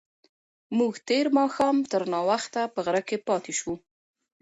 موږ تېر ماښام تر ناوخته په غره کې پاتې شوو.